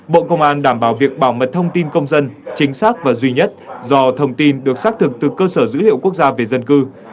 bộ công an đảm bảo việc bảo mật thông tin công dân chính xác và duy nhất do thông tin được xác thực từ cơ sở dữ liệu quốc gia về dân cư